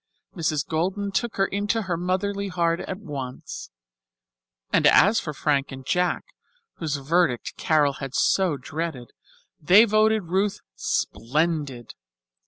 Mrs. Golden took her into her motherly heart at once; and as for Frank and Jack, whose verdict Carol had so dreaded, they voted Ruth "splendid."